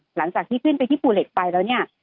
หลังจากที่ขึ้นไปที่ภูเหล็กไปแล้วเนี่ย